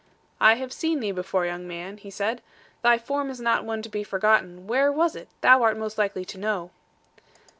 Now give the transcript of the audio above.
'I have seen thee before, young man, he said; 'thy form is not one to be forgotten. Where was it? Thou art most likely to know.'